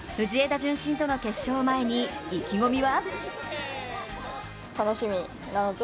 順心との決勝を前に意気込みは？